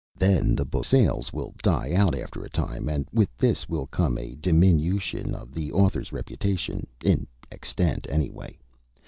Then the book's sale will die out after a time, and with this will come a diminution of its author's reputation, in extent anyway.